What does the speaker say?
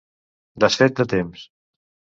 Desfet de temps.